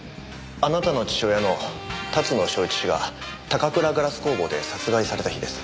あなたの父親の龍野祥一氏が高倉ガラス工房で殺害された日です。